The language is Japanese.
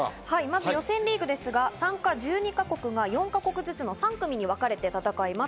予選リーグですが参加１２か国が４か国ずつの３組にわかれて戦います。